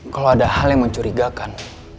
kalau ada hal yang mencurigakan